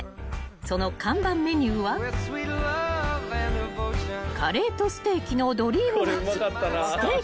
［その看板メニューはカレーとステーキのドリームマッチ］